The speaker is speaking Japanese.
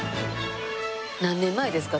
何年前ですか？